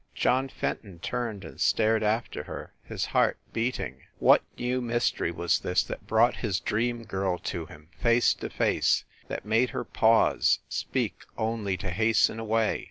John Fenton turned and stared after her, his heart beating. What new mystery was this that brought his dream girl to him, face to face ; that made her pause, speak, only to hasten away?